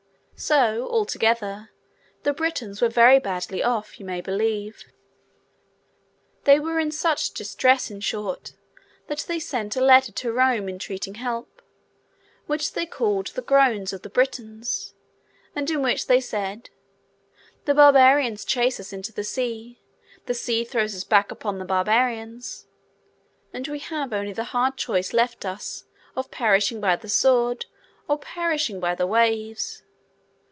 So, altogether, the Britons were very badly off, you may believe. They were in such distress, in short, that they sent a letter to Rome entreating help—which they called the Groans of the Britons; and in which they said, 'The barbarians chase us into the sea, the sea throws us back upon the barbarians, and we have only the hard choice left us of perishing by the sword, or perishing by the waves.